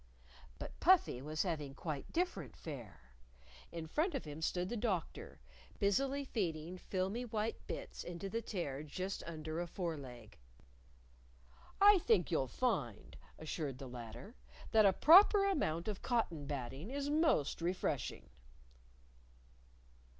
But Puffy was having quite different fare. In front of him stood the Doctor, busily feeding filmy white bits into the tear just under a fore leg. "I think you'll find," assured the latter, "that a proper amount of cotton batting is most refreshing."